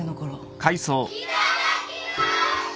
いただきます！